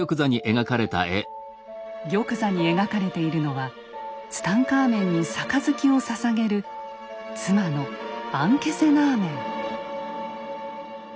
玉座に描かれているのはツタンカーメンに杯をささげる妻のアンケセナーメン。